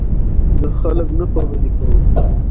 زه خلک نه خوابدي کوم.